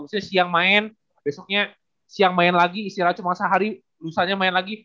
misalnya siang main besoknya siang main lagi istirahat cuma sehari lulusannya main lagi